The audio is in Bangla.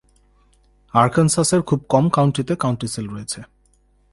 আরকানসাসের খুব কম কাউন্টিতে কাউন্টি সীল রয়েছে।